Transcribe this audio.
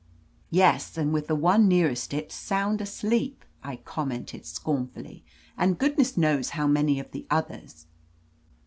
"Yes, and with the one nearest it sound asleep!" I commented scornfully. "And goodness knows how many of the others!"